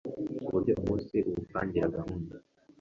uburyo umunsi uwupangira gahunda,